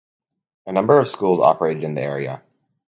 A number of schools operated in the area.